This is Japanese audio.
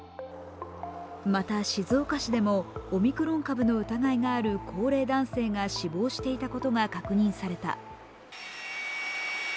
また、静岡市でもオミクロン株の疑いがある高齢男性が死亡していたことが確認された。